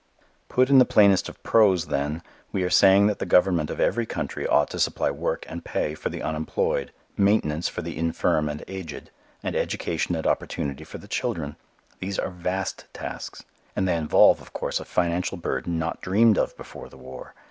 Put into the plainest of prose, then, we are saying that the government of every country ought to supply work and pay for the unemployed, maintenance for the infirm and aged, and education and opportunity for the children. These are vast tasks. And they involve, of course, a financial burden not dreamed of before the war.